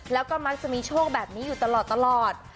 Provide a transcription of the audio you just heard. แล้วก็มักจะมีโชคแบบนี้อยู่ตลอด